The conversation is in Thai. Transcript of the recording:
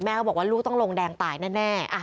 ก็บอกว่าลูกต้องลงแดงตายแน่